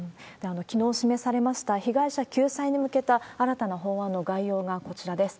きのう示されました被害者救済に向けた新たな法案の概要がこちらです。